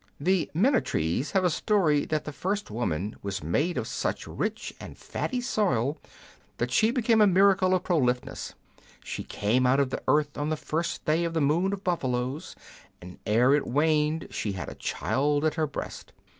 The Minnatarees have a story that the first woman was made of such rich and fatty soil that she became a miracle of prolificness ; she came out of the earth on the first day of the moon of buffaloes, and ere it waned, she had a child at her breast.